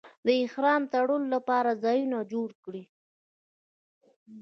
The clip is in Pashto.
د احرام تړلو لپاره ځایونه جوړ کړي.